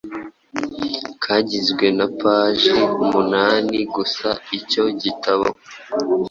kagizwe na paji munani gusa icyo gitabo